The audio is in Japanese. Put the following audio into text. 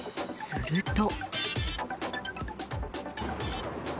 すると。